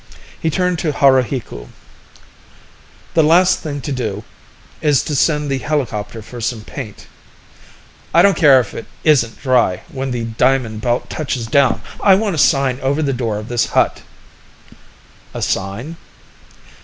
He turned to Haruhiku. "The last thing to do is to send the helicopter for some paint. I don't care if it isn't dry when the Diamond Belt touches down I want a sign over the door of this hut!" "A sign?"